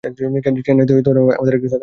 চেন্নাইতে আমাদের একটি শাখা আছে।